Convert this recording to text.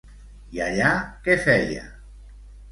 I allà què feia?